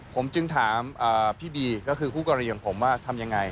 ผมจึงถามพี่บีก็คือคู่กรณีของผมว่าทำยังไง